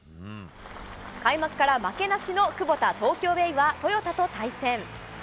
開幕から負けなしのクボタ東京ベイはトヨタと対戦。